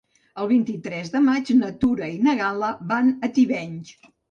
El vint-i-tres de maig na Tura i na Gal·la van a Tivenys.